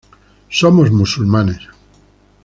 Somos musulmanes.